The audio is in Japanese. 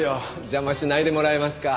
邪魔しないでもらえますか。